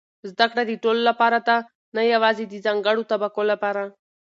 زده کړه د ټولو لپاره ده، نه یوازې د ځانګړو طبقو لپاره.